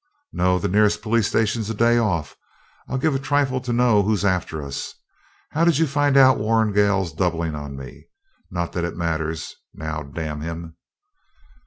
'No; the nearest police station's a day off. I'd give a trifle to know who's after us. How did you find out Warrigal's doubling on me? not that it matters now; d n him!'